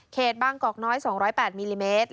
บางกอกน้อย๒๐๘มิลลิเมตร